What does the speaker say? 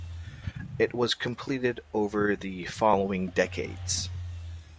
It was completed over the following decades.